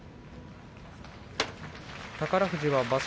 宝富士は場所